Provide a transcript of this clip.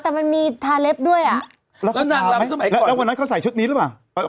แต่มันมีทาเล็บด้วยอ่ะแล้วนางลำแล้ววันนั้นเขาใส่ชุดนี้หรือเปล่า